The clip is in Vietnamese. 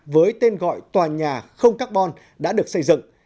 với tên gọi tòa nhà không carbon đã được xây dựng